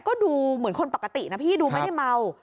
ก็ดูเหมือนคนปกตินะพี่ดูไม่ได้เมา